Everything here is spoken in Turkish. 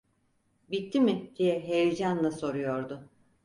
"Bitti mi?" diye heyecanla soruyordu.